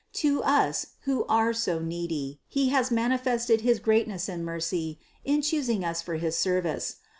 To us, who are so needy, He has manifested his greatness and mercy in choosing us for his service.